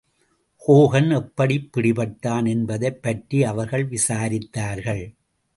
Hogan எப்படிப் பிடிப்பட்டான் என்பதைப் பற்றி அவர்கள் விசாரித்தார்கள்.